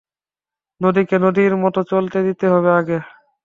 নদীকে নদীর মতো চলতে দিতে হবে আগে।